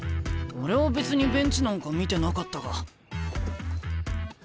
俺は別にベンチなんか見てなかったが。